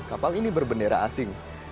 kapal ini berbendera asing